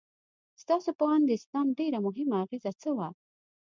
ستاسو په اند د اسلام ډېره مهمه اغیزه څه وه؟